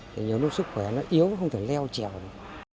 thì nhiều lúc sức khỏe nó yếu không thể leo trèo được